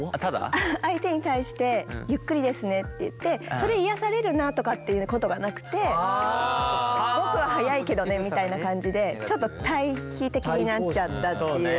相手に対してゆっくりですねって言ってそれ癒やされるなとかっていうことがなくて僕は速いけどねみたいな感じでちょっと対比的になっちゃったっていう。